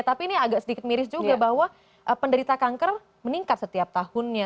tapi ini agak sedikit miris juga bahwa penderita kanker meningkat setiap tahunnya